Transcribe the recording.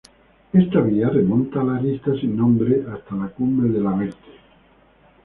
Esta vía remonta la arista sin nombre hasta la cumbre de la Verte.